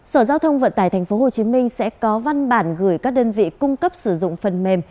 sở giao thông vận tải tp hcm sẽ có văn bản gửi các đơn vị cung cấp sử dụng phần mềm